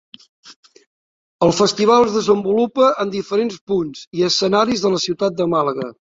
El Festival es desenvolupa en diferents punts i escenaris de la ciutat de Màlaga.